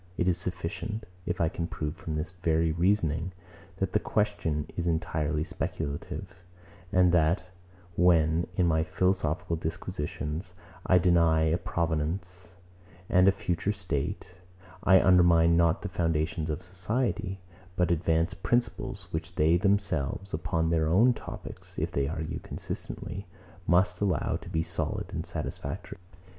It is sufficient, if I can prove, from this very reasoning, that the question is entirely speculative, and that, when, in my philosophical disquisitions, I deny a providence and a future state, I undermine not the foundations of society, but advance principles, which they themselves, upon their own topics, if they argue consistently, must allow to be solid and satisfactory.